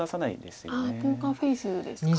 ポーカーフェースですか。